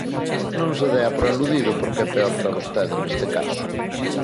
Non se dea por aludido porque é peor para vostede neste caso.